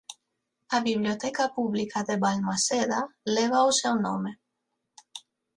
A Biblioteca Pública de Balmaseda leva o seu nome.